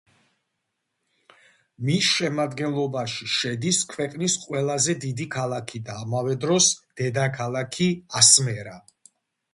მის შემადგენლობაში შედის ქვეყნის ყველაზე დიდი ქალაქი და ამავე დროს დედაქალაქი ასმერა.